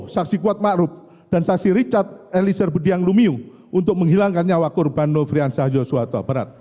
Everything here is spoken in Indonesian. saksi kuatmakrup dan saksi richard elisir budiang lumiu untuk menghilangkan nyawa kurban nofrian sajosuato berat